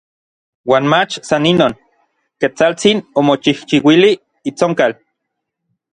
Uan mach san inon, Ketsaltsin omochijchiuili itsonkal.